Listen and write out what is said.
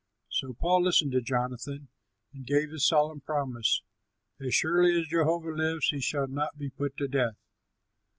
So Saul listened to Jonathan and gave his solemn promise: "As surely as Jehovah lives, he shall not be put to death."